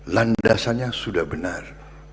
landasannya sudah benar